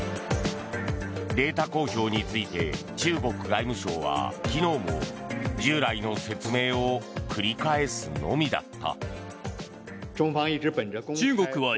データ公表について中国外務省は昨日も従来の説明を繰り返すのみだった。